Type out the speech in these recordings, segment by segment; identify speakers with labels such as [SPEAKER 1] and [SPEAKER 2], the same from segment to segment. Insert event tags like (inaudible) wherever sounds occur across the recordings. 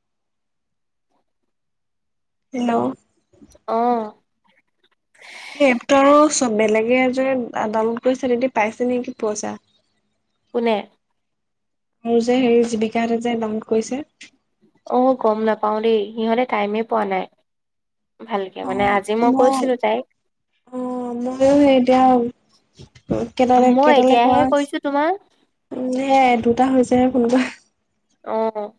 [SPEAKER 1] (inaudible)
[SPEAKER 2] Hello?
[SPEAKER 1] অ।
[SPEAKER 2] সেই এপটৰ চব বেলেগে যে ডাউনলোড কৰিছে, তেহেতি পাইছে নেকি পইচা?
[SPEAKER 1] কোনে?
[SPEAKER 2] মোৰ যে হেৰী জীৱিকা হতে যে ডাউনলোড কৰিছে।
[SPEAKER 1] অ' গম নাপাও দেই সিহঁতে টাইমেই পোৱা নাই। ভালকে,
[SPEAKER 2] অ
[SPEAKER 1] মানে আজি মই কৈছিলোঁ তাইক।
[SPEAKER 2] অ' মইয়ো হে এতিয়া কেটালে কেটালে কৰা হৈছে।
[SPEAKER 1] তোমাৰ।
[SPEAKER 2] সেয়াই দুটা হৈছে হে ফোন কৰা।
[SPEAKER 1] অ।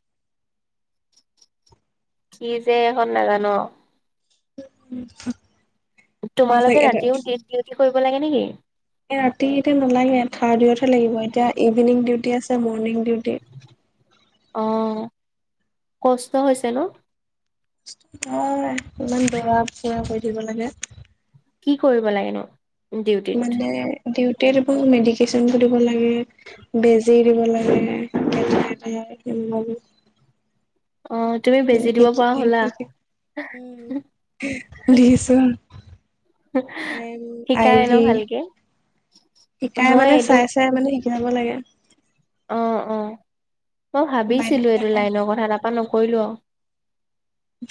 [SPEAKER 1] কি যে এইখন নাজানো আৰু।
[SPEAKER 2] (unintelligible) সঁচাকে
[SPEAKER 1] তোমালোকে
[SPEAKER 2] এটা
[SPEAKER 1] ৰাতিও ডি ডিউটি কৰিব লাগে নেকি?
[SPEAKER 2] এই ৰাতি এতিয়া নালাগে, থাৰ্ডউতহে লাগিব, এতিয়া ইভিনিং ডিউটি আছে মৰ্ণিং ডিউটি।
[SPEAKER 1] অ কষ্ট হৈছে ন?
[SPEAKER 2] অ' ইমান দৌৰা ফুৰা কৰি থাকিব লাগে।
[SPEAKER 1] কি কৰিব লাগে নো?
[SPEAKER 2] মানে ডিউটিত মোৰ মেডিকেশ্যনোটো দিব লাগে, বেজি দিব লাগে। (unintelligible)
[SPEAKER 1] অ তুমি
[SPEAKER 2] অ
[SPEAKER 1] বেজি দিব পৰা
[SPEAKER 2] শি
[SPEAKER 1] হলা
[SPEAKER 2] শি উম দিছোন।
[SPEAKER 1] শিকাই
[SPEAKER 2] আই-
[SPEAKER 1] ন
[SPEAKER 2] ভি,
[SPEAKER 1] ভালকে
[SPEAKER 2] শিকাই
[SPEAKER 1] মই
[SPEAKER 2] মানে
[SPEAKER 1] এইটো
[SPEAKER 2] চাই তাই মানে শিকাব লাগে।
[SPEAKER 1] অ'অ' মই ভাবিছিলো
[SPEAKER 2] বাইদেউতো
[SPEAKER 1] এইটো
[SPEAKER 2] দেখাই দিয়ে
[SPEAKER 1] লাইনৰ কথা, তাপা নকৰিলো আও।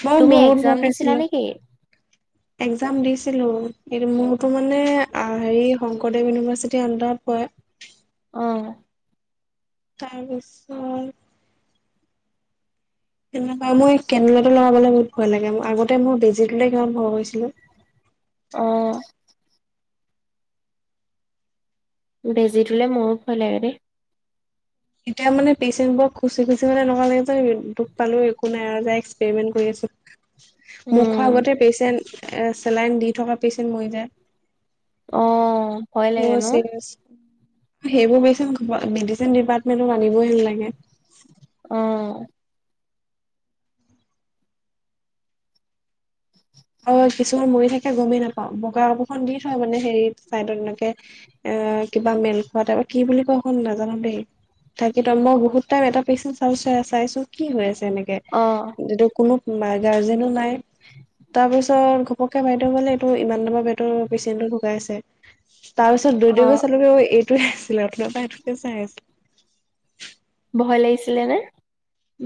[SPEAKER 2] মই
[SPEAKER 1] তুমি একজাম দিছিলা নেকি?
[SPEAKER 2] একজাম দিছিলো, কিন্তু মোৰতো মানে হেৰি শংকৰদেৱ ইউনিভাৰ্চিটিৰ আনডাৰত পৰে।
[SPEAKER 1] অ।
[SPEAKER 2] তাৰপিছত তেনেকুৱা মই কেনদুলাটো লগাবলে বহুত ভয় লাগে, আগতে মই বেজিটোলে কিমান ভয় কৰিছিলোঁ।
[SPEAKER 1] অ। বেজিটোলে মোৰো ভয় লাগে দেই।
[SPEAKER 2] এতিয়া মানে পেচেণ্টবোৰক খুচি খুচি মানে এনেকুৱা লাগে যে, দুখ পালেও একো নাজায়, এক্সপেৰিমেন্ট কৰি আছো। মুখৰ
[SPEAKER 1] উম
[SPEAKER 2] আগতে পেচেণ্ট এ চেলাইন দি থকা পেচেণ্ট মৰি যায়।
[SPEAKER 1] অ' ভয় লাগে ন
[SPEAKER 2] সেইবোৰ পেচেণ্ট মেডিচিন ডিপাৰ্টমেন্টত আনিবই নেলাগে।
[SPEAKER 1] অ।
[SPEAKER 2] অ' কিছুমান মৰি থাকে গমেই নাপাওঁ, বগা কাপোৰখন দি থয় মানে হেৰিত চাইডত এনেকে। এ কিবা মেল খোৱা তাইপত, কি বুলি কয় সেইখন নাজানো দেই। ঢাকি থয়, মই বহুত টাইম এটা পেচেণ্ট চাইছো কি হৈ আছে এনে।
[SPEAKER 1] অ
[SPEAKER 2] টো কোনো গাৰ্জেনো নাই। তাৰপিছত ঘপককে বাইদেউ বোলে, এইটো ইমান নম্বৰ বেডৰ পেচেণ্টটো ঢুকাই আছে। তাৰপিছত
[SPEAKER 1] অ
[SPEAKER 2] দৌৰি- দৌৰি গৈ চালোগে এইটোৱে আছিলে। অথনি পৰা এইটোকে চাই আছিলো।
[SPEAKER 1] ভয় লাগিছিলে নে?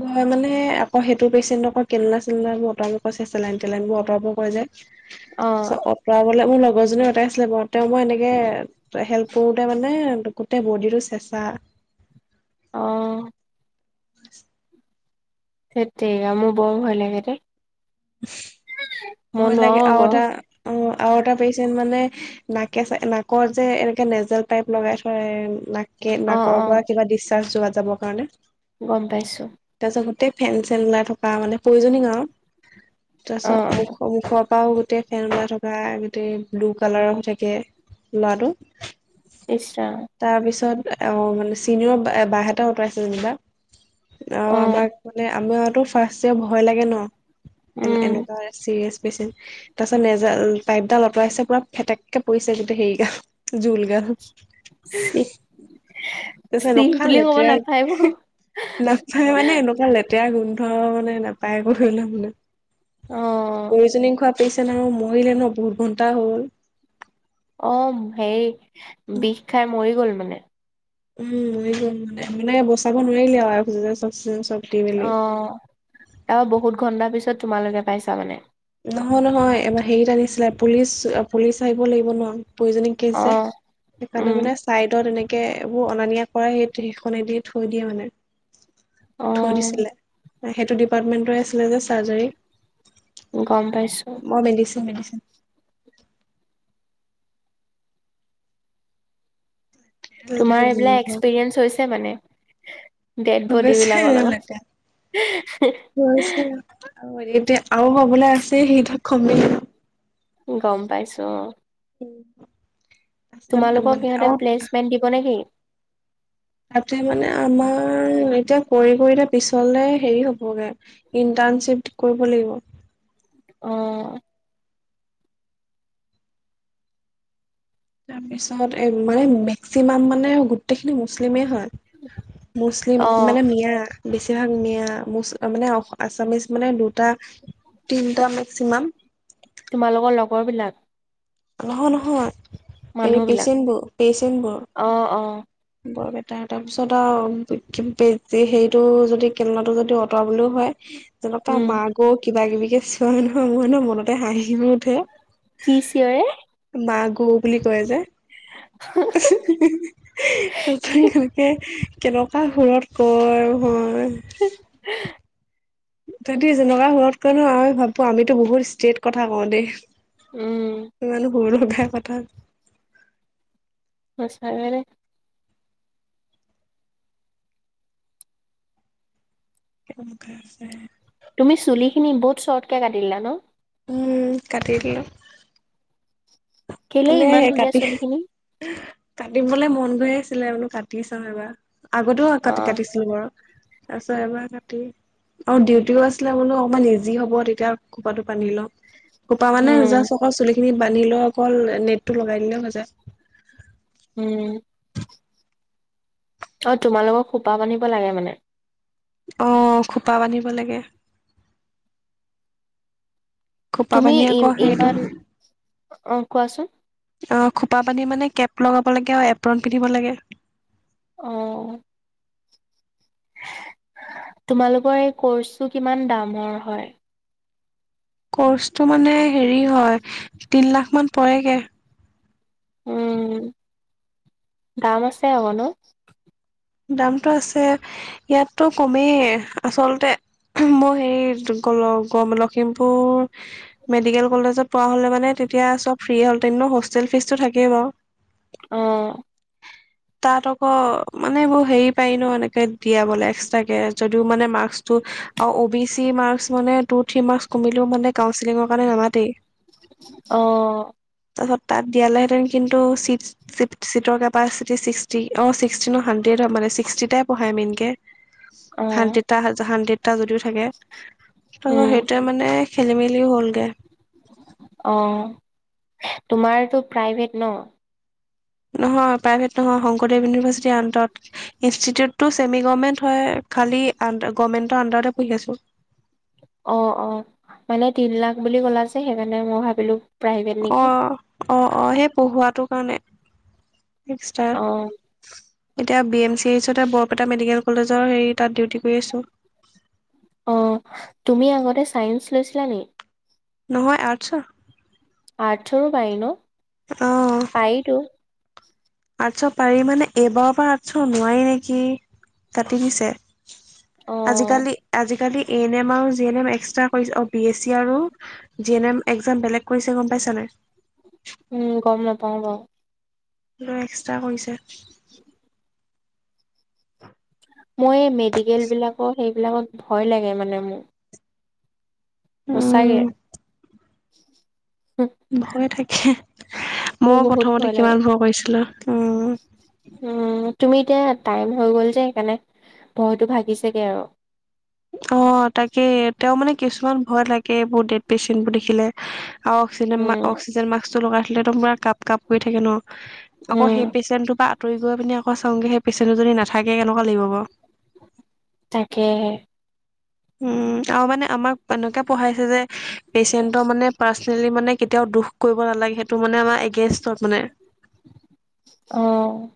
[SPEAKER 2] ভয় মানে আকৌ সেইটো পেচেণ্টক কেন্দুলা - চেন্দুলাবোৰ আঁতৰাব, চেলাইন- তেলাইন বোৰ অতৰাব কৈ যে।
[SPEAKER 1] অ
[SPEAKER 2] অঁতৰাবলে মোৰ লগৰজনী অঁতাৰাইছিলে বাৰু। তেওক মই এনেকে হেল্প কৰোতে মানে গোটেই বডিটো চেঁচা।
[SPEAKER 1] অঁ।
[SPEAKER 2] (inaudible)
[SPEAKER 1] হেট টেৰিকা, মোৰ বৰ ভয় লাগে দে। (inaudible)
[SPEAKER 2] ভয় লাগে আৰু
[SPEAKER 1] আকৌ
[SPEAKER 2] এটা। অ, আৰু এটা পেচেণ্ট মানে, নাকত, নাকৰ যে এনেকে নেজেল পাইপ লগাই থয়, এই
[SPEAKER 1] অ অ
[SPEAKER 2] নাকৰ পৰা কিবা ডিচাৰ্জ যোৱা, যাবৰ কাৰণে।
[SPEAKER 1] গম পাইছো।
[SPEAKER 2] তাৰপাছত গোটেই ফেন- চেন ওলাই থকা মানে পইজনিং আৰু।
[SPEAKER 1] অ
[SPEAKER 2] তাৰপাছত
[SPEAKER 1] অ
[SPEAKER 2] মুখৰ পৰাও গোটেই ফেন ওলাই থকা। গোটেই ব্লু কালাৰৰ হৈ থাকে। ল'ৰাটো।
[SPEAKER 1] ইচ ৰাম।
[SPEAKER 2] তাৰপিছত অ, মানে চিনিয়ৰ বা হতে আঁতৰাইছিল যেনিবা। অ, আমাৰ মানে আমাৰতো ফাৰ্ষ্টতে ভয় লাগে ন। এ,
[SPEAKER 1] উম
[SPEAKER 2] এনেকা- হয়, চিৰিয়েছ পেচেণ্ট। তাৰপিছত নেজেল পাইপডাল আঁতৰাইছে পুৰা ফেটেককে পৰিছে, গোটেই হেৰিগাল। জুল গাল।
[SPEAKER 1] চিক
[SPEAKER 2] তাৰপিছত
[SPEAKER 1] চিক
[SPEAKER 2] এনেকুৱা
[SPEAKER 1] বুলি ক'ব
[SPEAKER 2] লেতেৰা,
[SPEAKER 1] নাপাৰিব
[SPEAKER 2] নাপায় মানে এনেকুৱা লেতেৰা। লেতেৰা গোন্ধ মানে, নাপায় আ, একো ধৰি ল মানে।
[SPEAKER 1] অ।
[SPEAKER 2] প্ৰয়োজনীং খোৱা পেচেণ্ট আৰু মৰিলে ন বহুত ঘণ্টা হ'ল।
[SPEAKER 1] অ, হেৰি বিষ খাই মৰি গ'ল মানে!
[SPEAKER 2] উম, মৰি গ'ল মানে। বচাব নোৱাৰিলে আৰু অক্সিজেন সক্সজেন চব। দি মেলি
[SPEAKER 1] অ, আৰু বহুত ঘণ্টাৰ পিছত তোমালোকে পাইছা মানে।
[SPEAKER 2] নহয়, নহয়, হেৰিত আনিছিলে পুলিচ- পুলিচ আহিব লাগিব ন। প্ৰয়োজনিং কেছ
[SPEAKER 1] অ
[SPEAKER 2] যে, সেইকাৰণে
[SPEAKER 1] উম
[SPEAKER 2] মানে চাইডত এনেকে এইবোৰ অনা নিয়া কৰা সেই সেইখনে দি থৈ দিয়ে মানে।
[SPEAKER 1] অ
[SPEAKER 2] থৈ দিছিলে। সেইটো ডিপাৰ্টমেন্টৰে আছিলে যে চাৰ্জাৰী।
[SPEAKER 1] গম পাইছো।
[SPEAKER 2] মই মেডিচিন, মেডিচিন।
[SPEAKER 1] তোমাৰ এইবিলাক এক্সপিৰিয়েঞ্চ হৈছে মানে। ডেড বডি
[SPEAKER 2] বেছি
[SPEAKER 1] বিলাকৰ লগত
[SPEAKER 2] লেতেৰা, হৈছে। আৰু হবলৈ আছেই, সেইতো কমেই।
[SPEAKER 1] গম পাইছো, অ।
[SPEAKER 2] উম।
[SPEAKER 1] তোমালোকক সিহঁতে প্লেচমেণ্ট দিব নেকি?
[SPEAKER 2] তাতে মানে আমাৰ এতিয়া কৰি কৰিলে পিছলে হেৰি হবগে ইণ্টাৰ্ণশ্বিপ কৰিব লাগিব।
[SPEAKER 1] অ।
[SPEAKER 2] তাৰপিছত এ মানে মেক্সিমাম মানে গোটেইখিনি মুছলিমেই হয়, মুছলিম
[SPEAKER 1] অ',
[SPEAKER 2] মানে মিয়া। বেছিভাগ মিয়া ম মানে আছামিছ মানে দুটা তিনিটা মেক্সিমাম
[SPEAKER 1] তোমালোকৰ লগৰ বিলাক
[SPEAKER 2] নহয় নহয় হেৰি
[SPEAKER 1] মানুহ বিলাক
[SPEAKER 2] পেচেণ্টবোৰ পেচেণ্টবোৰ
[SPEAKER 1] অ, অ
[SPEAKER 2] বৰপেটাৰ তাৰপিছত আৰু হেৰিটো যদি কেৰেলাটো যদি কম হলো হয় যেনেকোৱা
[SPEAKER 1] উম,
[SPEAKER 2] মা বহুত কিবা কিবি যে চিঞৰে নহয় মোৰ নহয় মনতে হাঁহিও উঠে।
[SPEAKER 1] কি চিঞৰে?
[SPEAKER 2] মাগু বুলি কয় যে উ হু হু হু তাৰপিছত তেনেকে কেনেকোৱা সুৰত কয় হয়
[SPEAKER 1] হে হে
[SPEAKER 2] তেহেতে যেনেকোৱা সুৰত কয় ন আমি ভাবো আমিতো বহুত ষ্ট্ৰেট কথা কও দেই।
[SPEAKER 1] উম,
[SPEAKER 2] ইমানো সুৰ লগাই কথা
[SPEAKER 1] সঁচাকে দেই।
[SPEAKER 2] (unintelligible)
[SPEAKER 1] তুমি চুলিখিনি বহুত চৰ্টকে কাটিলা ন
[SPEAKER 2] উম, কাটি দিলো।
[SPEAKER 1] কেলে
[SPEAKER 2] এনে
[SPEAKER 1] ইমান ধুনীয়া
[SPEAKER 2] কাটি
[SPEAKER 1] চুলি খিনি
[SPEAKER 2] কাটিবলে মন গৈ আছিলে বুলো কাটি চাওঁ এবাৰ আগতেও কাটি
[SPEAKER 1] অ',
[SPEAKER 2] কাটিছিলো বাৰু তাৰপিছত এবাৰ কাটি আৰু ডিউটিও আছিলে বোলো অকমান ইজি হ'ব তেতিয়া খোপাটো বান্ধি লম। খোপা মানে
[SPEAKER 1] উম,
[SPEAKER 2] জাষ্ট অকল চুলিখিনি বান্ধি লৈ অকল নেটটো লগাই দিলেও হৈ যায়।
[SPEAKER 1] উম অ, তোমালোকৰ খোপা বান্ধিব লাগে মানে।
[SPEAKER 2] অ, খোপা বান্ধিব লাগে। খোপা
[SPEAKER 1] তুমি
[SPEAKER 2] বান্ধি
[SPEAKER 1] ই
[SPEAKER 2] আকৌ সেইটো
[SPEAKER 1] ইমান, অ কোৱাচোন!
[SPEAKER 2] অ, খোপা বান্ধি মানে কেপ লগাব লাগে আৰু এপ্ৰন পিন্ধিব লাগে।
[SPEAKER 1] অ তোমালোকৰ এই কৰ্চটো কিমান দামৰ হয়?
[SPEAKER 2] কৰ্চটো মানে হেৰি হয় তিন লাখ মান পৰেগে্
[SPEAKER 1] উম, দাম আছে আক নো?
[SPEAKER 2] দামটো আছে ইয়াততো কমেই আচলতে মোৰ হেৰি ক ল অ লক্ষীমপুৰ মেডিকেল কলেজত পঢ়া হ'লে মানে তেতিয়া চব ফ্ৰী হ'লহেতেন ন হোষ্টেল ফিজটো থাকেই বাও
[SPEAKER 1] অ'
[SPEAKER 2] তাত আকৌ মানে এইবোৰ হেৰি পায়ি ন এনেকে দিয়া বোলে এক্সট্ৰাকে যদিও মানে মাক্সটো অ অ' বি চি মাৰ্কচ মানে টু থ্ৰী মাৰ্কচ কমিলেও মানে কাউঞ্চেলিঙৰ কাৰণে নামাতেই
[SPEAKER 1] অ'
[SPEAKER 2] অ তাত দিয়ালেহেতেন কিন্তু চিটচ চিট চিটৰ কেপাচিটি ছিক্সটি অ' ছিক্সটিনো হাড্ৰেড মানে ছিক্সটি টাই পঢ়ায় মেইনকে
[SPEAKER 1] অ',
[SPEAKER 2] হাণ্ডেডটা হা হাণ্ডেড টা যদিও থাকে ত'
[SPEAKER 1] উম,
[SPEAKER 2] সেইটোৱে মানে খেলি মেলি হ'লগে
[SPEAKER 1] অ' তোমাৰ এইটো প্ৰাইভেট ন?
[SPEAKER 2] নহয় প্ৰাইভেট নহয় শংকৰদেৱ ইউনিভাৰ্চিটিৰ আন্দাৰত। ইনষ্টিটিউটটো ছেমি গভমেণ্ট হয় খালি আন-গভমেণ্টৰ আণ্ডাৰতে পঢ়ি আছোঁ।
[SPEAKER 1] অ', অ' মানে তিন লাখ বুলি ক'লা যে সেইকাৰণে মই ভাবিলোঁ প্ৰাইভেট
[SPEAKER 2] অ
[SPEAKER 1] নেকি।
[SPEAKER 2] অ', অ' সেই পঢ়োৱাটো কাৰণে এক্সট্ৰা।
[SPEAKER 1] অ',
[SPEAKER 2] এতিয়া বি এম চি এইচতে বৰপেটা মেডিকেল কলেজৰ হেৰি তাত ডিউটি কৰি আছোঁ।
[SPEAKER 1] অ' তুমি আগতে চাইন্স লৈছিলা নেকি?
[SPEAKER 2] নহয় আৰ্টছৰ।
[SPEAKER 1] আৰ্টছৰো পাৰি ন'? পাৰিতো।
[SPEAKER 2] আৰ্টছৰ পাৰি মানে এইবাৰৰ পৰা আৰ্টছৰ নোৱাৰি নেকি, কাটি দিছে।
[SPEAKER 1] অ',
[SPEAKER 2] আজিকালি, আজিকালি এন এম আও জি এন এম এক্সট্ৰা কৰিছে, অ' বি এছ চি আৰু জি এন এম এক্সাম বেলেগ কৰিছে গম পাইছা নাই?
[SPEAKER 1] উম, গম নাপাওঁ বাৰু।
[SPEAKER 2] লৈ এক্সট্ৰা কৰিছে।
[SPEAKER 1] মই এই মেডিকেলবিলাকৰ সেইবিলাকত ভয় লাগে মানে মোৰ। সঁচাগে।
[SPEAKER 2] উম ভয় থাকে,
[SPEAKER 1] মোৰ
[SPEAKER 2] মইও
[SPEAKER 1] বহুত
[SPEAKER 2] প্ৰথমতে
[SPEAKER 1] লাগে।
[SPEAKER 2] কিমান ভয় কৰিছিলোঁ।
[SPEAKER 1] (inaudible) উম, তুমি এতিয়া টাইম হৈ গ'ল যে সেইকাৰণে ভয়টো ভাগিছেগে আৰু।
[SPEAKER 2] অ' তাকে, তেওঁ মানে কিছুমান ভয় লাগে এইবোৰ ডেড পেচেণ্টবোৰ দেখিলে। আৰু অক্সিজেন
[SPEAKER 1] উম,
[SPEAKER 2] মা-অক্সিজেন মাস্কটো লগাই ল'লেতো পুৰা কাপ কাপ কৰি থাকে ন'? আকৌ
[SPEAKER 1] উম।
[SPEAKER 2] সেই পেচেণ্টৰ পৰা আঁতৰি গৈ পিনে আকৌ চাংগে সেই পেচেণ্টোটো যদি নাথাকে কেনেুৱা লাগিব বাৰু।
[SPEAKER 1] তাকে।
[SPEAKER 2] উম, আৰু মানে আমাক এনেকুৱা পঢ়াইছে যে পেচেণ্টৰ মানে পাৰ্চনেলি মানে কেতিয়াও দুখ কৰিব নালাগে সেইটো মানে আমাৰ এগেইনষ্টত মানে।
[SPEAKER 1] অ'।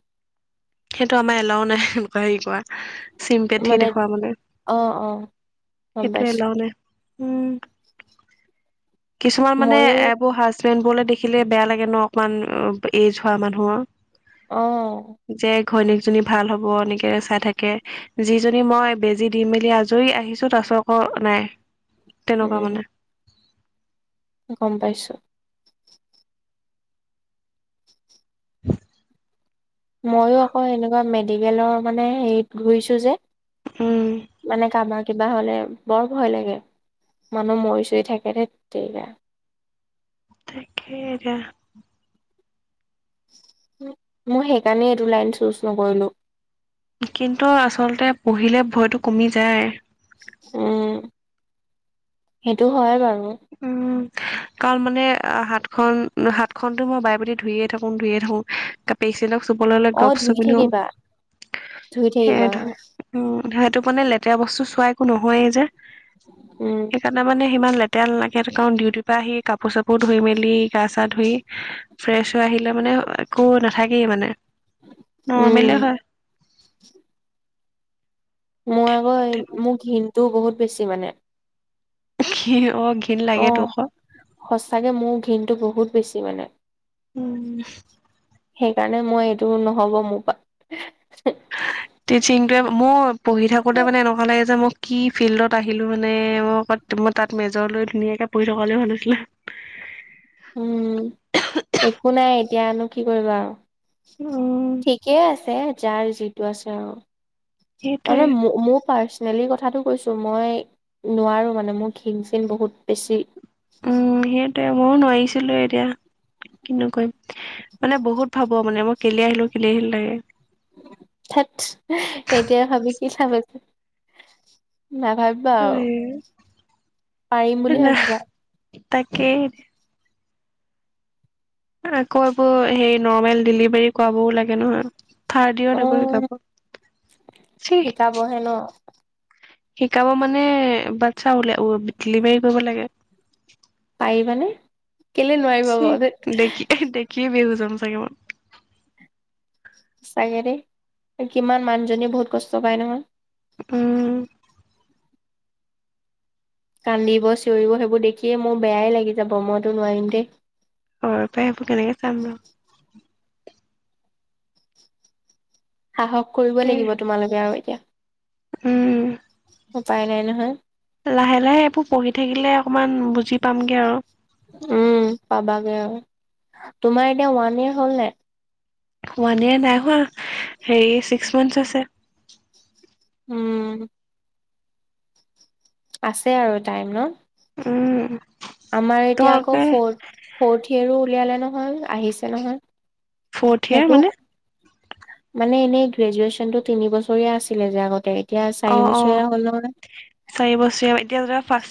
[SPEAKER 2] সেইটো আমাৰ এলাও নাই, এনেকুৱা হেৰি কৰা। চিমপেথি দেখওুৱা মানে,
[SPEAKER 1] অ অ গম
[SPEAKER 2] সেইটো
[SPEAKER 1] পাইছো
[SPEAKER 2] এলাও নাই। উম, কিছুমান মানে
[SPEAKER 1] মইয়ো
[SPEAKER 2] এবোৰ সাজ ষ্টুডেণ্টবোৰলে দেখিলে বেয়া লাগে ন' অকণমান উ, এজ হোৱা মানুহৰ।
[SPEAKER 1] অ'।
[SPEAKER 2] যে ঘৈণীয়েকজনী ভাল হ'ব এনেকে চাই থাকে। যিজনী মই বেজী দি মেলি আজৰি আহিছোঁ তাৰপিছত আকৌ নাই,
[SPEAKER 1] উম
[SPEAKER 2] তেনেকুৱা মানে।
[SPEAKER 1] গম পাইছোঁ।
[SPEAKER 2] (inaudible)
[SPEAKER 1] ময়ো আকৌ এনেকুৱা মেডিকেলৰ মানে হেৰিত ঘূৰিছোঁ যে
[SPEAKER 2] উম
[SPEAKER 1] মানে (unintelligible) কিবা হ'লে বৰ ভয় লাগে, মানুহ মৰি চৰি থাকে ধেত তেৰিগা।
[SPEAKER 2] তাকে, এতিয়া।
[SPEAKER 1] মই সেইকাৰণে এইটো লাইন চুজ নকৰিলোঁ।
[SPEAKER 2] কিন্তু আচলতে পঢ়িলে ভয়টো কমি যায়।
[SPEAKER 1] উম, সেইটো হয় বাৰু।
[SPEAKER 2] উম, কাৰণ মানে হাতখন, হাতখনটো মই বাৰে প্ৰতি ধুইয়ে থাকোঁ, ধুইয়ে থাকোঁ পেচেণ্টক চুবলৈ ল'লে
[SPEAKER 1] অ
[SPEAKER 2] গ্ৰভছো
[SPEAKER 1] ধুই
[SPEAKER 2] পিন্ধো,
[SPEAKER 1] থাকিবা ধুই থাকিবা
[SPEAKER 2] সেইটোৱে। উম, সেইটো মানে লেতেৰা বস্তু চোৱা একো নহয়েই যে।
[SPEAKER 1] উম।
[SPEAKER 2] কাৰনে মানে সিমান লেতেৰা নালাগে কাৰণ ডিউটিৰ পৰা আহি কাপোৰ চাপোৰ ধুই মেলি গা চা ধুই ফ্ৰেছ হৈ আহিলে মানে, একো নাথাকেই মানে,
[SPEAKER 1] উম
[SPEAKER 2] নৰ্মেলে হয়।
[SPEAKER 1] মই আকৌ, মোক ঘিনটো বহুত বেছি মানে।
[SPEAKER 2] ঘি অ', ঘিণ
[SPEAKER 1] অ
[SPEAKER 2] লাগে তো আকৌ।
[SPEAKER 1] সঁচাকে, মোৰ ঘিণতো বহুত বেছি মানে।
[SPEAKER 2] উম।
[SPEAKER 1] সেইকাৰণে, মই এইটো নহ'ব মোৰ
[SPEAKER 2] টিচিংটোৱে, মোৰ পঢ়ি থাকোঁতে মানে এনেকুৱা লাগে যে মই কি ফিল্ডত আহিলোঁ মানে মোৰ কত ত মই তাত মেজলৈ ধুনীয়াকে পঢ়ি থকা হ'লে ভাল আছিলে।
[SPEAKER 1] উম, একো নাই এতিয়ানো কি কৰিবা আৰু।
[SPEAKER 2] উম
[SPEAKER 1] ঠিকেই আছে, যাৰ যিটো আছে আৰু।
[SPEAKER 2] সেইটোৱে
[SPEAKER 1] তাৰমানে মো মোৰ পাৰ্চ চেনেলিৰ কথাটো কৈছোঁ, মই নোৱাৰোঁ মানে, মোৰ ঘিণ চিন বহুত বেছি।
[SPEAKER 2] উম সেইটোৱে মইও নোৱাৰিছিলো এতিয়া, কিনো কৰিম, মানে বহুত ভাবো মানে মই কেলে আহিলো, কেলে আহিলো লাগে।
[SPEAKER 1] ধেত, এতিয়া ভাবি কি (unintelligible) নাভাবি
[SPEAKER 2] হয়,
[SPEAKER 1] পাৰিম বুলি
[SPEAKER 2] ন,
[SPEAKER 1] ভাবিবা।
[SPEAKER 2] তাকেই। আকৌ এইবোৰ হেই নৰ্মেল ডেলিভাৰী কৰাবওঁ লাগে নহয়। থাৰ্ড দিওঁ,
[SPEAKER 1] অ'
[SPEAKER 2] (unintelligible) চিহ।
[SPEAKER 1] অ', হেল্ল '।
[SPEAKER 2] শিকাব মানে, বাচ্ছা ওলাই ডেলিভাৰী কৰিব লাগে।
[SPEAKER 1] পাৰিবা নে, কেলে নোৱাৰিবা বাৰু
[SPEAKER 2] কি বেহুজ হ'ম চাগে মই।
[SPEAKER 1] চাগে দেই, কিমান মানুহজনীয়ে বহুত কষ্ট পায় নহয়।
[SPEAKER 2] উম।
[SPEAKER 1] কান্দিব, চিঞৰিব সেইবোৰ দেখিয়ে মোৰ বেয়াই লাগি যাব মইতো নোৱাৰিম দেই।
[SPEAKER 2] অ', পাই এইবোৰ কেনেকে চাম ন।
[SPEAKER 1] সাহস কৰিব
[SPEAKER 2] তাকে
[SPEAKER 1] লাগিব তোমালোকে আৰু এতিয়া।
[SPEAKER 2] উম।
[SPEAKER 1] উপায় নাই নহয়।
[SPEAKER 2] লাহে, লাহে এইবোৰ পঢ়ি থাকিলে অকমান বুজি পামগে আৰু।
[SPEAKER 1] উম পাবাগে আৰু, তোমাৰ এতিয়া ওৱান ইয়েৰ হ'ল নে?
[SPEAKER 2] ওৱান ইয়েৰ নাই হোৱা, হেৰি ছিক্স মান্থছ হৈছে।
[SPEAKER 1] উম। আছে আৰু টাইম ন।
[SPEAKER 2] উম।
[SPEAKER 1] আমাৰ এতিয়া আকৌ,
[SPEAKER 2] তোমালোকে
[SPEAKER 1] ফৰ্থ, ফৰ্থ ইয়েৰো উলিয়ালে নহয় আহিছে ছে নহয়,
[SPEAKER 2] ফৰ্থ ইয়েৰ
[SPEAKER 1] সেইটো
[SPEAKER 2] মানে
[SPEAKER 1] মানে এনেই গ্ৰেজুৱচনটো তিনি বছৰীয়া আছিলে যে আগতে। এতিয়া চাৰি
[SPEAKER 2] অ'
[SPEAKER 1] বছৰীয়া
[SPEAKER 2] অ',
[SPEAKER 1] হ'ল নহয়
[SPEAKER 2] চাৰি বছৰীয়া এতিয়া ধৰা ৰ্ফাট চে